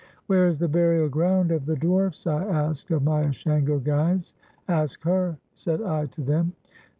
"Where is the burial ground of the dwarfs?" I asked of my Ashango guides. "Ask her," said I to them.